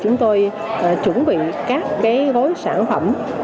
chúng tôi chuẩn bị các gối sản phẩm